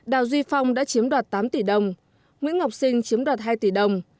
đào duy phong đã chiếm đoạt tám tỷ đồng nguyễn ngọc sinh chiếm đoạt hai tỷ đồng